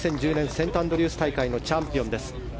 セントアンドリュース大会のチャンピオンです。